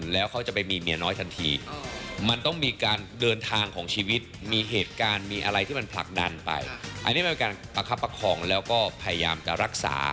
แล้วก็พยายามจะรักษา